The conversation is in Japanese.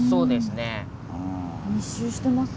密集してますね。